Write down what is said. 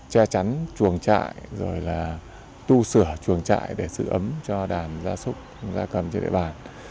che chắn chuồng trại tu sửa chuồng trại để sử ấm cho đàn gia súc gia cầm trên địa bàn